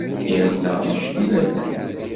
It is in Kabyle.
Yerna annect ilatent.